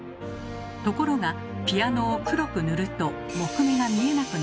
ところがピアノを黒く塗ると木目が見えなくなります。